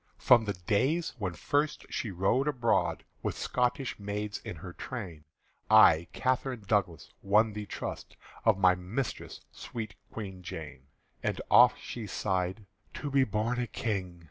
From the days when first she rode abroad With Scotish maids in her train, I Catherine Douglas won the trust Of my mistress sweet Queen Jane. And oft she sighed, "To be born a King!"